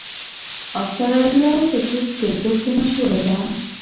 اسټرالیا په ټېسټ کرکټ کښي مشهوره ده.